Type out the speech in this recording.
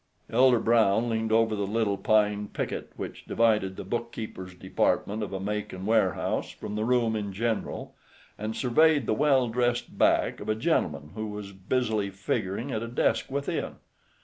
Elder Brown leaned over the little pine picket which divided the bookkeepers' department of a Macon warehouse from the room in general, and surveyed the well dressed back of a gentleman who was busily figuring at a desk within.